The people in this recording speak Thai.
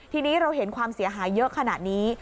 ทีนี้เราเห็นความเสียหายเยอะขนาดนี้